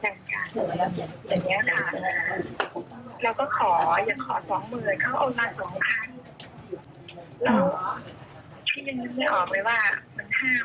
เรายืนได้ออกไหมว่า๕๖ล้านบาทมันขายไป